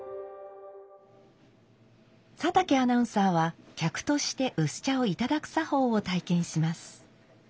佐竹アナウンサーは客として薄茶をいただく作法を体験します。